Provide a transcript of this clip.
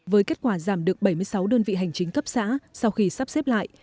với kết quả giảm được bảy mươi sáu đơn vị hành chính cấp xã sau khi sắp xếp lại